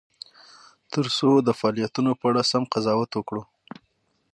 ترڅو د فعالیتونو په اړه سم قضاوت وکړو.